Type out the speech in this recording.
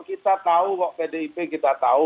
kita tahu kok pdip kita tahu